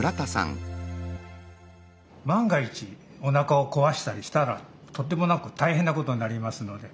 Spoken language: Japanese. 万が一おなかをこわしたりしたらとんでもなく大変なことになりますので。